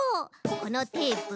このテープを。